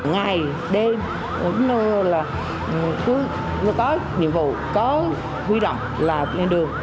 ngày đêm cũng là có nhiệm vụ có huy động là lên đường